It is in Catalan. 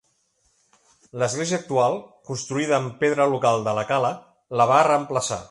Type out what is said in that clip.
L'església actual, construïda amb pedra local de la cala, la va reemplaçar.